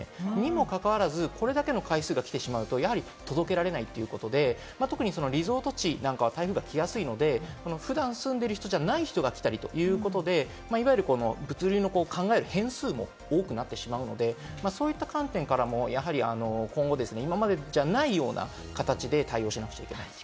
にもかかわらずこれだけの回数が来てしまうと届けられないということで、特にリゾート地なんかは台風が来やすいので、普段住んでる人じゃない人が来たりということで、いわゆる物流の考える変数も多くなってしまうので、今後、今までないような形で対応しなきゃいけない。